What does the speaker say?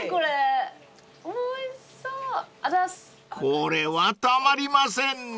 ［これはたまりませんね］